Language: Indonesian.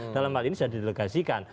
dalam hal ini sudah didelegasikan